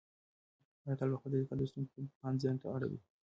هر اتل په خپله طریقه د لوستونکي پام ځانته اړوي.